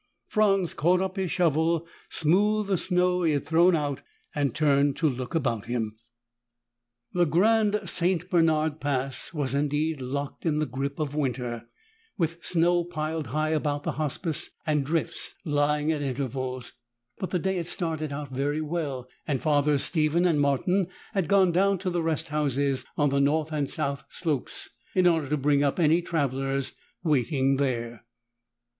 Franz caught up his shovel, smoothed the snow he had thrown out and turned to look about him. The Grand St. Bernard Pass was indeed locked in the grip of winter, with snow piled high about the Hospice and drifts lying at intervals. But the day had started out very well, and Fathers Stephen and Martin had gone down to the rest houses on the north and south slopes, in order to bring up any travelers waiting there.